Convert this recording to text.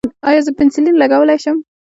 ایا زه پنسلین لګولی شم؟